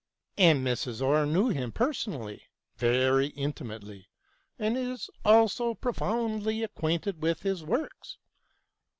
And Mrs. Orr knew him personally, very intimately, and is also profoundly acquainted with his works.